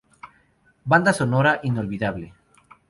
Banda sonora inolvidable.